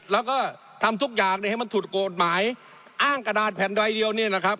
แล้วก็ทำทุกอย่างเนี่ยให้มันถูกกฎหมายอ้างกระดาษแผ่นใดเดียวเนี่ยนะครับ